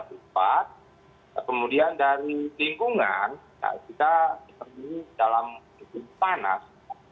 kemudian dari lingkungan kita terbunyi dalam air panas